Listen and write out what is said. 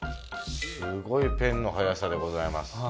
すごいペンのはやさでございます。